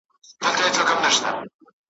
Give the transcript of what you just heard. د دغه جريدې په سنګي چاپخانه کي چاپ کړل